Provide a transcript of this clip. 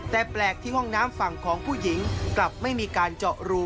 แต่แปลกที่ห้องน้ำฝั่งของผู้หญิงกลับไม่มีการเจาะรู